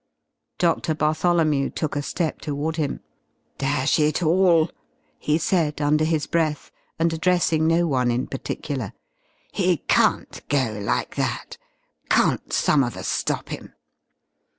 Doctor Bartholomew took a step toward him. "Dash it all!" he said under his breath and addressing no one in particular, "he can't go like that. Can't some of us stop him?"